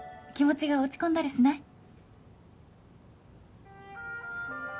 気持ちが落ち込んだりしない？